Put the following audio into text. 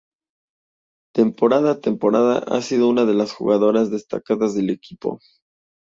Temporada a temporada ha sido una de las jugadoras destacadas del equipo.